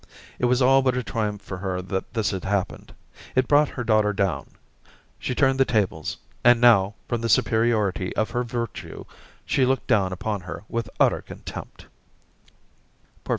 It was all but a triumph for her that this had happened. It brought her daughter down ; she turned the tables, and now, from the superiority of her virtue, she looked down upon her with utter Contempt.